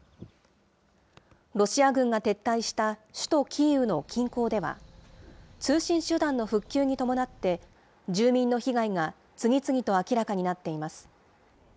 ロシア軍が撤退した首都キーウの近郊では、通信手段の復旧に伴って、住民の被害が次々と明らかになっています。